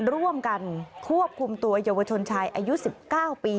ร่วมกันควบคุมตัวเยาวชนชายอายุ๑๙ปี